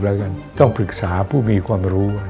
แล้วกันต้องปรึกษาผู้มีความรู้